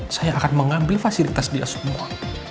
saya akan mengambil fasilitas dia semua